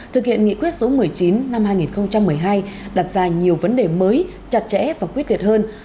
thực hiện nghị quyết số một mươi chín năm hai nghìn một mươi hai đặt ra nhiều vấn đề mới chặt chẽ và quyết liệt hơn